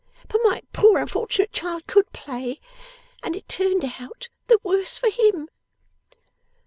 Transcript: But my poor unfortunate child could play, and it turned out the worse for him.